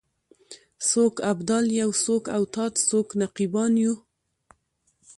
څوک ابدال یو څوک اوتاد څوک نقیبان یو